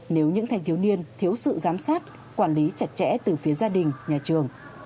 nếu những thanh thiếu niên thiếu sự giám sát quản lý chặt chẽ từ phía gia đình nhà trường